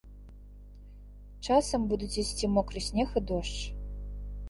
Часам будуць ісці мокры снег і дождж.